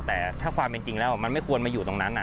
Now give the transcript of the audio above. แต่ถ้าความเป็นจริงแล้วมันไม่ควรมาอยู่ตรงนั้น